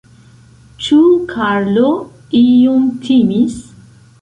Ĉu Karlo iom timis?